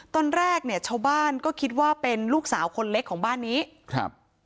ตอนแรกเนี่ยชาวบ้านก็คิดว่าเป็นลูกสาวคนเล็กของบ้านนี้ครับ